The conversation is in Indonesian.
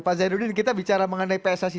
pak zainuddin kita bicara mengenai pssi